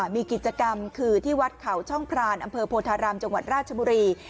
มีกิจกรรมคือที่วัดเขาช่องพรานอำเภอโพธารามจังหวัดราชบุรี